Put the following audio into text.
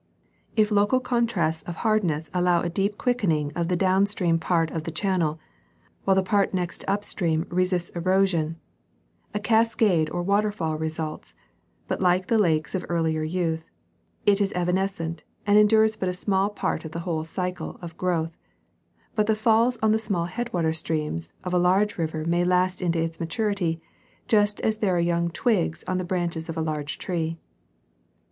If local contrasts of hardness allow a quick deepening of the down stream part of the channel, while the part next up stream resists erosion, a cas cade or waterfall results ; but like the lakes of earlier youth, it is evanescent, and endures but a small part of the whole cycle of growth ; but the falls on the small headwater streams of a large river may last into its maturity, just as there are young twigs on the branches of a large tree.